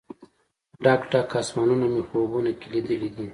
ډک، ډک اسمانونه مې خوبونو کې لیدلې دي